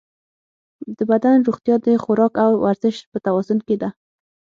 د بدن روغتیا د خوراک او ورزش په توازن کې ده.